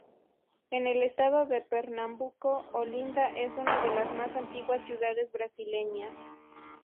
En el estado de Pernambuco, Olinda es una de las más antiguas ciudades brasileñas.